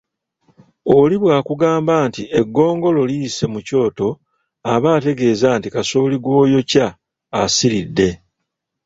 Oli bwakugamba nti eggongolo liyise mu kyoto aba ategeeza nti kasooli gw’oyokya asiridde.